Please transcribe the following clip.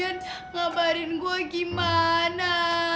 jan jan ngabarin gua gimana